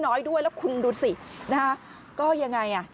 น้อยด้วยแล้วคุณดูสินะฮะก็ยังไงอ่ะ